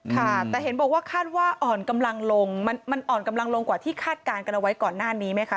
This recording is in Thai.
ค่ะแต่เห็นบอกว่าคาดว่าอ่อนกำลังลงมันอ่อนกำลังลงกว่าที่คาดการณ์กันเอาไว้ก่อนหน้านี้ไหมคะ